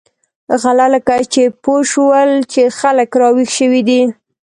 غله لکه چې پوه شول چې خلک را وېښ شوي دي.